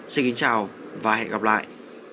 xin chào và hẹn gặp lại